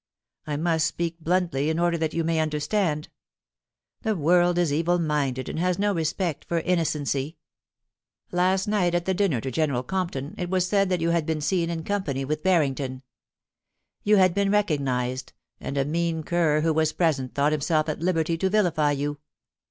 I must speak bluntly in order that you may understand The world is evil minded, and has no respect for innocency. Last night, at the dinner to General Compton, it was said that you had been seen in company with Barrington. You had been re cognised, and a mean cur who was present thought himself at liberty to vilify you.